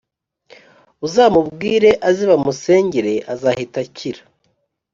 Uzamubwire aze bamusengere azahita akira